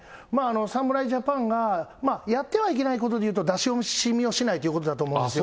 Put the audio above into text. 侍ジャパンが、やってはいけないことでいうと、出し惜しみをしないということだと思うんですよ。